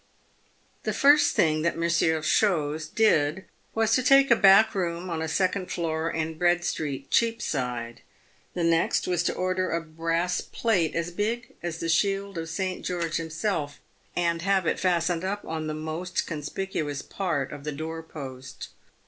The first thing that Monsieur Chose did was to take a back room on a second floor in Bread street, Cheapside. The next was to order a brass plate as big as the shield of St. George himself, and have it fastened up on the most conspicuous part of the door post.